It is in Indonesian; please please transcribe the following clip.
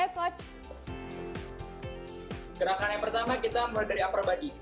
gerakan yang pertama kita mulai dari upper body